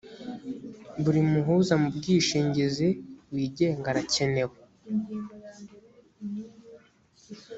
buri muhuza mu bwishingizi wigenga arakenewe